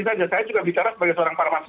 saya juga bicara sebagai seorang farmasi